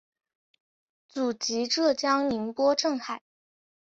祖籍浙江宁波镇海。